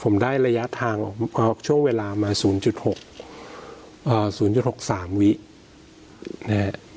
ผมได้ระยะทางออกช่วงเวลามาศูนย์จุดหกอ่าศูนย์จุดหกสามวินาทีเนี้ย